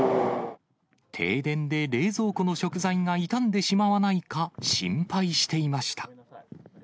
停電で冷蔵庫の食材が傷んでしまわないか心配していました。